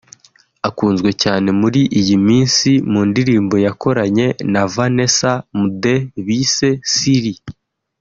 akunzwe cyane muri iyi minsi mu ndirimbo yakoranye na Vanessa Mdee bise ‘Siri’